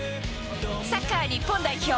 サッカー日本代表。